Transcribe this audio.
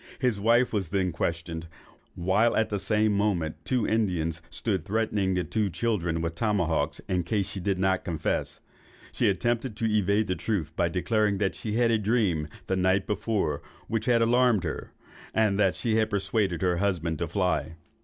His wife was then questioned, while at the same moment two Indians stood threatening the two children with tomahawks in case she did not confess. She attempted to evade the truth, by declaring she had a dream the night before which had alarmed her, and that she had persuaded her husband to fly.